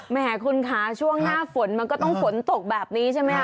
แหมคุณค่ะช่วงหน้าฝนมันก็ต้องฝนตกแบบนี้ใช่ไหมคะ